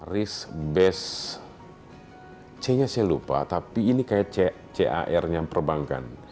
risk base c nya saya lupa tapi ini kayak car nya perbankan